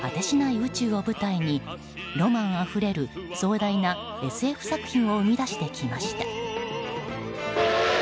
宇宙を舞台にロマンあふれる壮大なＳＦ作品を生み出してきました。